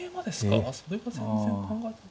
それは全然考えて。